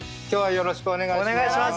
よろしくお願いします。